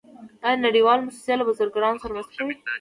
آیا نړیوالې موسسې له بزګرانو سره مرسته کوي؟